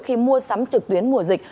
khi mua sắm trực tuyến mùa dịch